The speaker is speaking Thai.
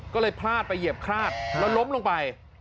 ก็เลยพลาดไปเหยียบคลาดแล้วล้มลงไป